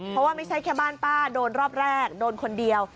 เพราะว่าไม่ใช่แค่บ้านป้าโดนรอบแรกโดนคนเดียว